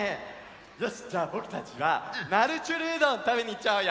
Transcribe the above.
よしっじゃあぼくたちは「なるちゅるうどん」たべにいっちゃおうよ！